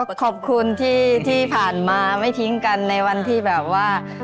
ขอบคุณที่ผ่านมาไม่ทิ้งกันในวันที่แบบว่า